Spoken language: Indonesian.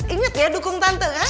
ingat ya dukung tante kan